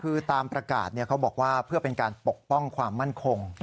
คือตามประกาศเขาบอกว่าเพื่อเป็นการปกป้องความมั่นคง